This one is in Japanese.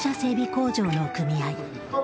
工場の組合。